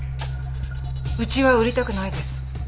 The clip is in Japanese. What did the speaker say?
うちは売りたくないです。